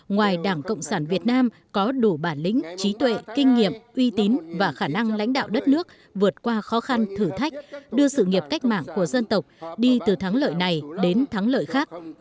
ngoài đảng cộng sản việt nam có đủ bản lĩnh trí tuệ kinh nghiệm uy tín và khả năng lãnh đạo đất nước vượt qua khó khăn thử thách đưa sự nghiệp cách mạng của dân tộc đi từ thắng lợi này đến thắng lợi khác